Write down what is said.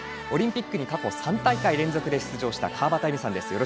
オリンピックに過去３大会連続で出場した川端絵美さんです。